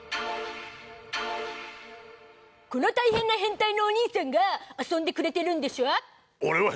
このタイヘンなヘンタイのお兄さんが遊んでくれてるんでしょ？